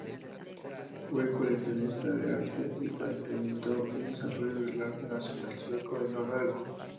Fue coleccionista de arte y alentó el desarrollo del arte nacional sueco y noruego.